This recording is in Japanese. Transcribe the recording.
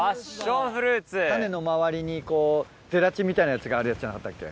種の周りにゼラチンみたいなやつがあるやつじゃなかったっけ。